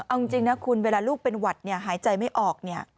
เอาจริงนะคุณเวลาลูกเป็นหวัดหายใจไม่ออก